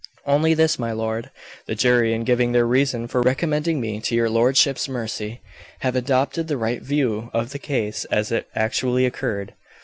"Only this, my lord. The jury, in giving their reason for recommending me to your lordship's mercy, have adopted the right view of the case as it actually occurred.